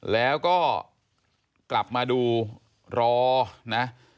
แล้วก็กลับมาดูรอนะ